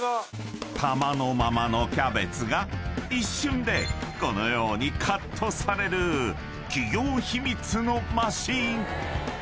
［玉のままのキャベツが一瞬でこのようにカットされる企業秘密のマシン］